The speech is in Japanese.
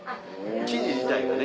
生地自体がね。